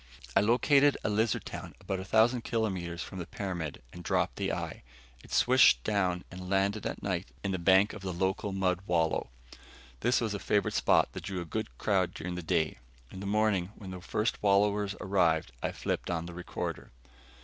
I located a lizard town about a thousand kilometers from the pyramid and dropped the eye. It swished down and landed at night in the bank of the local mud wallow. This was a favorite spot that drew a good crowd during the day. In the morning, when the first wallowers arrived, I flipped on the recorder.